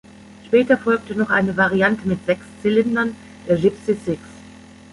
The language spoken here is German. Später folgte noch eine Variante mit sechs Zylindern, der Gipsy Six.